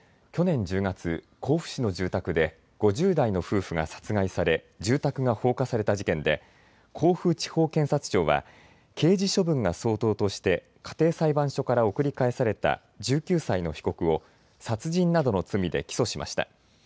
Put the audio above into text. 去年１０月、甲府市の住宅で５０代の夫婦が殺害され住宅が放火された事件で甲府地方検察庁は刑事処分が相当として家庭裁判所から送り返された１９歳の被告を殺人などの罪で起訴しました。